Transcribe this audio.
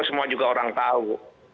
semua juga orang tahu